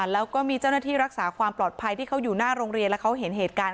แล้วก็มีเจ้าหน้าที่รักษาความปลอดภัยที่เขาอยู่หน้าโรงเรียนแล้วเขาเห็นเหตุการณ์